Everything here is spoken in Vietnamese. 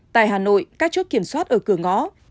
tại hà nội các chốt kiểm soát ở cửa ngõ